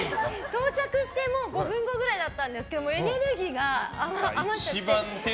到着して５分後くらいだったんですけどエネルギーが余っちゃって。